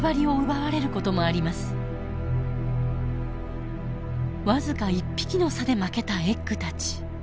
わずか１匹の差で負けたエッグたち。